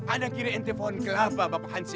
anak giri in tefon kelapa bapak hansip